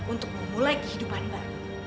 untuk memulai kehidupan baru